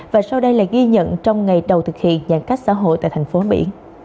và sau đây là ghi nhận trong ngày đầu thực hiện giãn cách xã hội tại thành phố biển